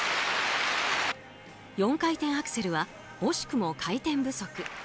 ４回転アクセルは惜しくも回転不足。